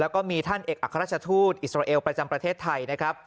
แล้วก็มีท่านเอกอัครราชทูตอิสราเอลประจำประเทศไทยนะครับ